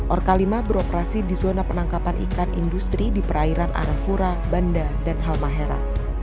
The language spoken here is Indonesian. orka lima beroperasi di zona penangkapan ikan industri di perairan arafura banda dan halmahera